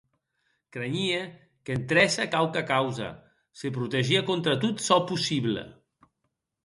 Cranhie qu’entrèsse quauqua causa; se protegie contra tot çò possible.